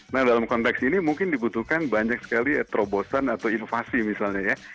nah dalam konteks ini mungkin dibutuhkan banyak sekali terobosan atau inovasi misalnya ya